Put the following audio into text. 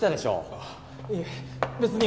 あっいえ別に私は。